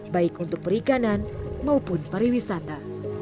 baik untuk perikanan maupun pariwisata